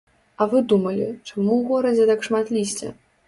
А вы думалі, чаму ў горадзе так шмат лісця?